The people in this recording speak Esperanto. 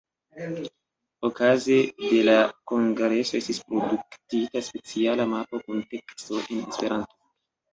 Okaze de la kongreso estis produktita speciala mapo kun teksto en Esperanto.